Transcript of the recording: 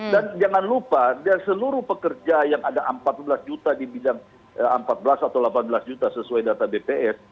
dan jangan lupa dari seluruh pekerja yang ada empat belas juta di bidang empat belas atau delapan belas juta sesuai data bps